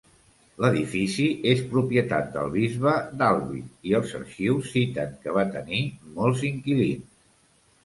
L'edifici és propietat del bisbe d'Albi i els arxius citen que va tenir molts inquilins.